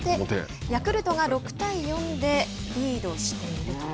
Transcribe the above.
ヤクルトが６対４でリードしているという。